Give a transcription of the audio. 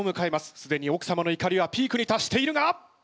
すでに奥様の怒りはピークに達しているが！？